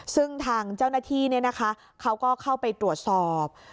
ซึ่งทางเจ้าหน้าที่เขาก็เข้าไปตรวจสอบ